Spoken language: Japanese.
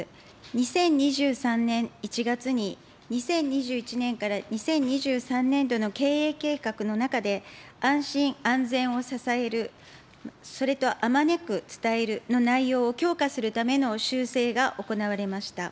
２０２３年１月に、２０２１年から２０２３年度の経営計画の中で、安心・安全を支える、それと、あまねく伝えるの内容を強化するための修正が行われました。